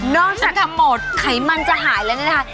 นอกจากไขมันจะหายแล้วนะคะ